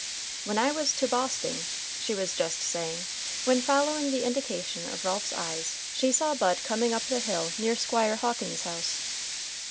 "When I was to Bosting," she was just saying, when, following the indication of Ralph's eyes, she saw Bud coming up the hill near Squire Hawkins's house.